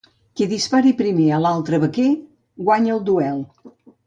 Qui dispari primer a l'altre vaquer guanya el duel.